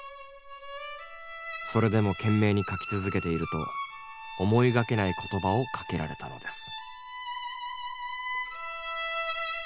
それでも懸命に描き続けていると思いがけない言葉をかけられたのです。